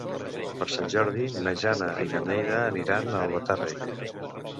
Per Sant Jordi na Jana i na Neida aniran a Albatàrrec.